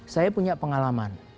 saya punya pengalaman